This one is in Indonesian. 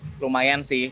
jadi lumayan sih